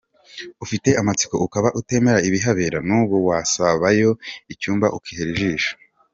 Ufite amatsiko ukaba utemera ibihabera n’ubu wasabayo icyumba ukihera ijisho.